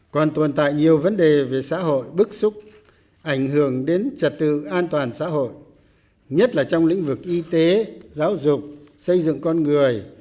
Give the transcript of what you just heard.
còn tồn tại nhiều vấn đề về xã hội bức xúc ảnh hưởng đến trật tự an toàn xã hội nhất là trong lĩnh vực y tế giáo dục xây dựng con người